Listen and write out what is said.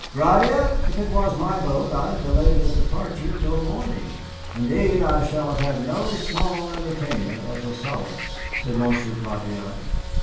Gratiot, if it was my boat, I'd delay the departure till morning." "Indeed, I shall have had no small entertainment as a solace," said Monsieur Gratiot.